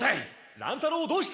乱太郎をどうした！